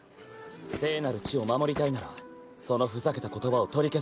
聖なる地を守りたいならそのふざけた言葉を取り消すんだな。